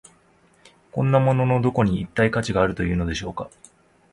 こんなもののどこに、一体価値があるというのでしょうか。